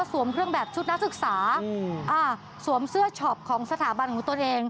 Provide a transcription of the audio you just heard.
เครื่องแบบชุดนักศึกษาสวมเสื้อช็อปของสถาบันของตนเอง